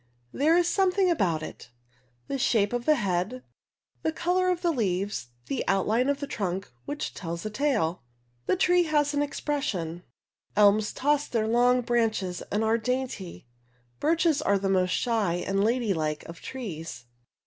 There is some thing about it, the shape of the head, the color of the leaves, the outline of the trunk which tells a tale. The tree has an expression. Elms toss their long branches and are dainty; birches are the "most shy and ladylike of trees."